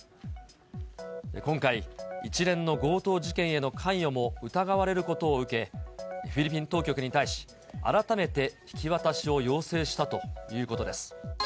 今回、一連の強盗事件への関与も疑われることを受け、フィリピン当局に対し、改めて引き渡しを要請したということです。